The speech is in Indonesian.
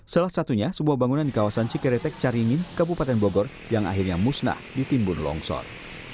salah satunya sebuah bangunan di kawasan cikeretek caringin kabupaten bogor yang akhirnya musnah ditimbun longsor